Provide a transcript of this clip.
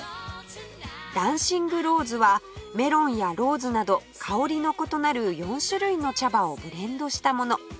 ダンシングローズはメロンやローズなど香りの異なる４種類の茶葉をブレンドしたもの